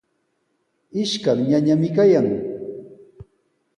Ishkan ñañami kayan.